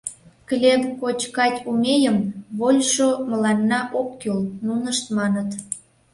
— Клеб кочкать умейым, вольшо мыланна ок кӱл, — нунышт маныт.